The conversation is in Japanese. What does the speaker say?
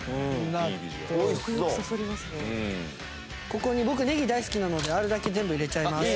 ここに僕ネギ大好きなのであるだけ全部入れちゃいます。